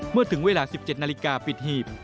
เมื่อถึงเวลา๑๗นาฬิกาปิดหีบ